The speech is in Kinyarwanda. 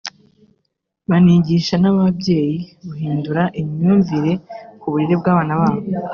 banigisha n’ababyeyi guhindura imyumvire ku burere bw’abana babo